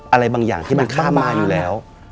อะไรบางอย่างที่มันข้ามมาอยู่แล้ว